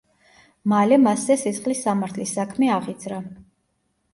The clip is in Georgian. მალე მასზე სისხლის სამართლის საქმე აღიძრა.